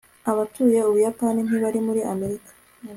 abatuye ubuyapani ntibari muri amerika